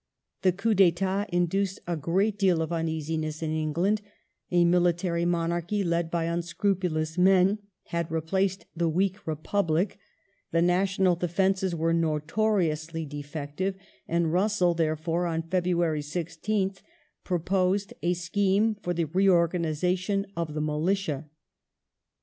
The coup d'dtat induced a great deal of uneasiness in England ; Resigna a military monai'chy led by unscrupulous men had replaced theRugggi/ ^ weak republic ; the national defences were notoriously defective, and Ministry, Russell, therefore, on February 16th, proposed a scheme for the jg^g ' reorganization of the militia.